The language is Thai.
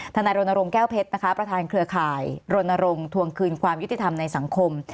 นายรณรงค์แก้วเพชรนะคะประธานเครือข่ายรณรงค์ทวงคืนความยุติธรรมในสังคม